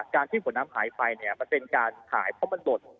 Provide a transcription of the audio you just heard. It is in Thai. การที่ผลน้ำหายไปมันเป็นการหายเพราะมันหลด